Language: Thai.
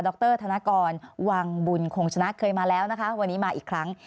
รธนกรวังบุญคงชนะเคยมาแล้วนะคะวันนี้มาอีกครั้ง